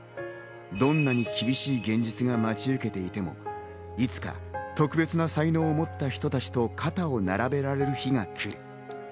どんなに厳しい現実が待ち受けていてもいつか特別な才能を持った人たちと肩を並べられる日が来る。